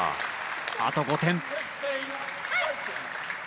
あと５点。